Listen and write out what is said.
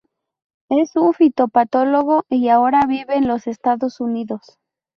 Es un fitopatólogo y ahora vive en los Estados Unidos.